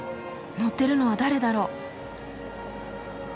乗ってるのは誰だろう？